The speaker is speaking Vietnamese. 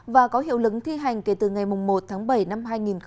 và có hiệu lực thi hành kể từ ngày một tháng bảy năm hai nghìn hai mươi